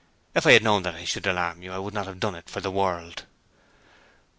If I had known that I should alarm you I would not have done it for the world.'